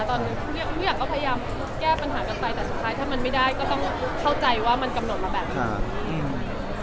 ตอนนี้ทุกอย่างก็พยายามแก้ปัญหากันไปแต่สุดท้ายถ้ามันไม่ได้ก็ต้องเข้าใจว่ามันกำหนดมาแบบไหน